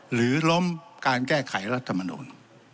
หรือล้มการแก้ไขรัฐมนูล